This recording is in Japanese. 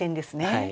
はい。